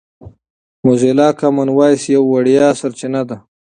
موزیلا کامن وایس یوه وړیا سرچینه ده.